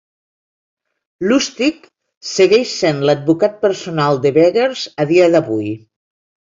Lustick segueix sent l'advocat personal de Wegers a dia d'avui.